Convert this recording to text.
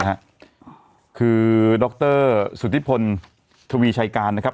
ประกันเนี่ยนะฮะคือดรสุธิพลทวีชัยการนะครับ